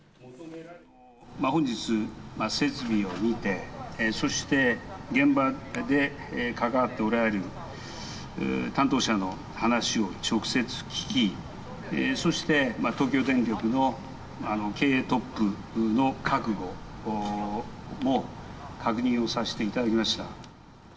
本日、設備を見て、そして、現場で関わっておられる担当者の話を直接聞き、そして、東京電力の経営トップの覚悟も確認をさせていただきました。